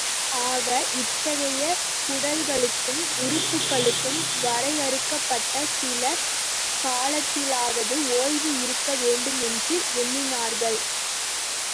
ஆக, இத்தகைய குடல்களுக்கும், உறுப்புகளுக்கும் வரையறுக்கப்பட்ட சில காலத்திலாவது ஓய்வு இருக்க வேண்டும் என்று எண்ணினார்கள்.